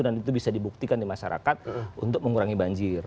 dan itu bisa dibuktikan di masyarakat untuk mengurangi banjir